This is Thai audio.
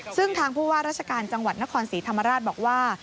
ซึ่งทางผู้ว่าราชการจังหวัดนครศรีธรรมราชบอกว่า